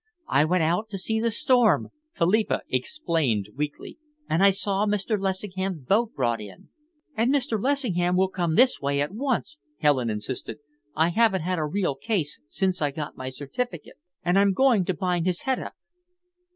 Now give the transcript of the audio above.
"I went out to see the storm," Philippa explained weakly, "and I saw Mr. Lessingham's boat brought in." "And Mr. Lessingham will come this way at once," Helen insisted. "I haven't had a real case since I got my certificate, and I'm going to bind his head up."